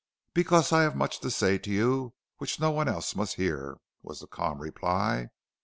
"Because I have much to say to you which no one else must hear," was the calm reply.